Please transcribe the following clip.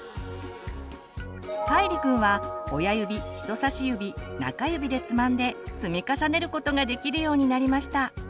かいりくんは親指人さし指中指でつまんで積み重ねることができるようになりました。